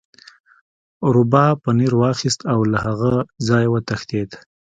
روباه پنیر واخیست او له هغه ځایه وتښتید.